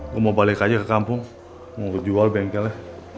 gue mau balik aja ke kampung mau jual bengkelnya